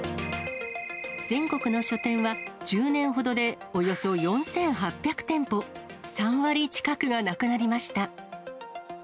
全国の書店は、１０年ほどでおよそ４８００店舗、３割近くがなくなりました。